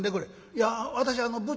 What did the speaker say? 「いや私あの不調」。